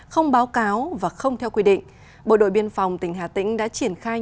không báo cáo và không theo quy định bộ đội biên phòng tỉnh hà tĩnh đã triển khai